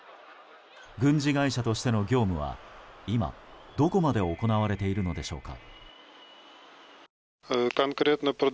軍事会社としての業務は今どこまで行われているのでしょうか。